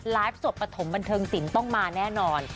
ไลฟ์ส่วนปฐมบันเทิงศิลป์ต้องมาแน่นอน